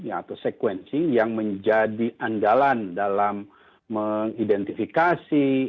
atau sequencing yang menjadi anggalan dalam mengidentifikasi